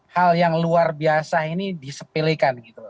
hal yang luar biasa ini disepilikan